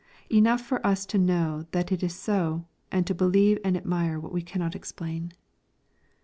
Enough for us to know that it is so, and to believe and admire what we cannot explain.